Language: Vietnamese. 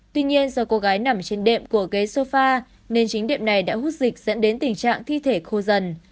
tuy nhiên do cô gái nằm trên đệm của ghế sofa nên chính đệm này đã hút dịch dẫn đến tình trạng thi thể khô dần